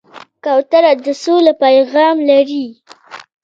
کوتره د سولې پیغام لري.